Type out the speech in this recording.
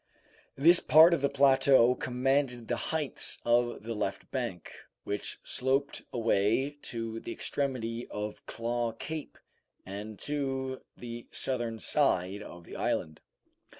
This part of the plateau commanded the heights of the left bank, which sloped away to the extremity of Claw Cape, and to the southern side of the island.